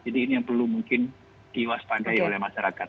jadi ini yang perlu mungkin diwaspadai oleh masyarakat